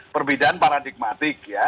perbedaan paradigmatik ya